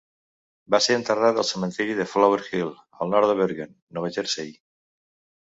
Va ser enterrat al cementiri de Flower Hill, al nord de Bergen, Nova Jersey.